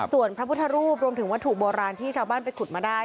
ส่วนพระพุทธรูปรวมถึงวัตถุโบราณที่ชาวบ้านไปขุดมาได้